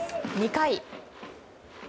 ２回。